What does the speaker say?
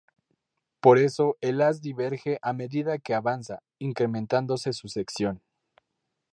Por eso el haz diverge a medida que avanza, incrementándose su sección.